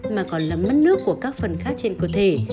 mà còn là mất nước của các phần khác trên cơ thể